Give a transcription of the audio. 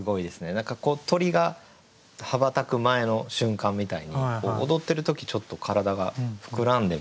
何か鳥が羽ばたく前の瞬間みたいに踊ってる時ちょっと体が膨らんで見えるっていう。